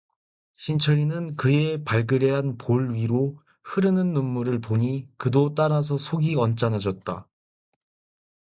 신철이는 그의 발그레한 볼 위로 흐르는 눈물을 보니 그도 따라서 속이 언짢아졌다.